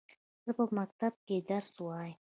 زه په مکتب کښي درس وايم.